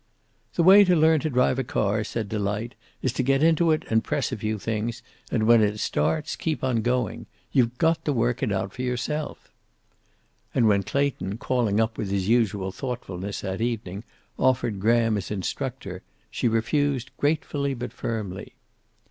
"The way to learn to drive a car," said Delight, "is to get into it and press a few things, and when it starts, keep on going. You've got to work it out for yourself." And when Clayton, calling up with his usual thoughtfulness that evening, offered Graham as instructor, she refused gratefully but firmly.